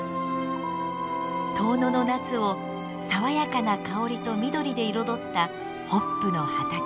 遠野の夏を爽やかな香りと緑で彩ったホップの畑。